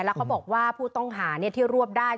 แล้วเขาบอกว่าผู้ต้องหาที่รวบได้